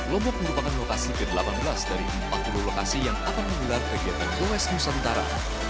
lombok merupakan lokasi ke delapan belas dari empat puluh lokasi yang akan menggelar kegiatan goes nusantara